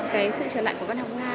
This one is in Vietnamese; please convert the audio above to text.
cái sự trở lại của văn học nga